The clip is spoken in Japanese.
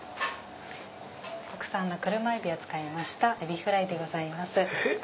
国産のクルマエビを使いましたえびフライでございます。